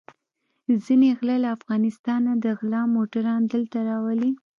ځينې غله له افغانستانه د غلا موټران دلته راولي.